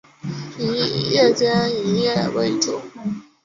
以夜间营业为主。